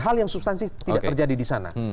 hal yang substansi tidak terjadi di sana